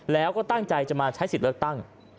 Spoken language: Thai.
แล้วก็ตั้งใจจะมาใช้สิทธิ์เลือกตั้ง